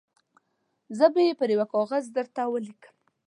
زه به یې پر یوه کاغذ درته ولیکم.